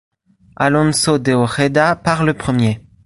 Alonso de Ojeda part le premier.